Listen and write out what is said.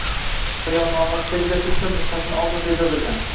Bayonnomaning tagida: «Bitta nusxasini oldim» deb yozilgan